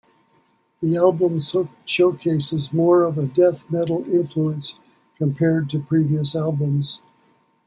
The album showcases more of a death metal influence compared to previous albums.